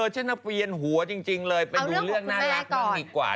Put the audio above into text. แชลน้าเปรี้ยนหัวจริงเลยไปดูเรื่องน่ารักมากดีกว่า